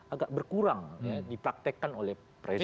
agak berkurang dipraktekkan oleh presiden